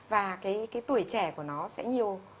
và cái tuổi trẻ của nó sẽ nhiều